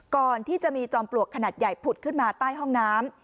ก่อนที่จะมีจอมปลวกขนาดใหญ่ผุดขึ้นมาใต้ห้องน้ำ